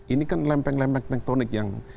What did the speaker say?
ini kan lempeng lempeng tektonik yang